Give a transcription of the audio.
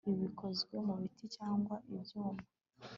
ibi bikozwe mubiti cyangwa ibyuma